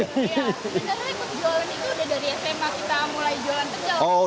iya kita tuh ikut jualan itu udah dari sma kita mulai jualan kejauhanya